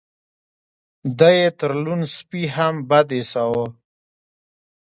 دی يې تر لوند سپي هم بد ايساوه.